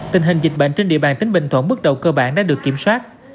tình hình dịch bệnh trên địa bàn tỉnh bình thuận bước đầu cơ bản đã được kiểm soát